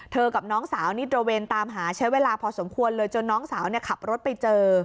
กับน้องสาวนี่ตระเวนตามหาใช้เวลาพอสมควรเลยจนน้องสาวขับรถไปเจอ